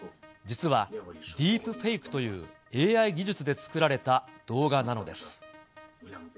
実は、ディープフェイクというＡＩ技術で作られた動画なのです。